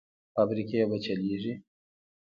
فابریکې به چلېږي؟